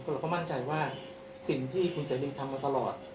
เราก็มั่นใจว่าสิ่งที่เจบิ่งทำไว้ตลอด